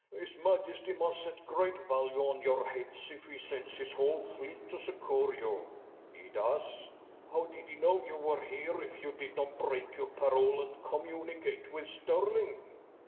"His majesty must set great value on your heads if he sends his whole fleet to succour you." "He does." "How did he know you were here if you did not break your parole and communicate with Stirling?"